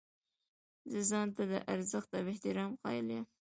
زه ځان ته د ارزښت او احترام قایل یم.